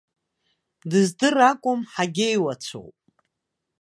Дыздыр акәым, ҳагьеиуацәоуп.